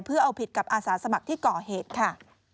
เพื่อเอาผิดกับอาสาสมัครที่ก่อเหตุค่ะ